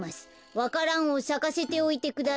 わか蘭をさかせておいてください。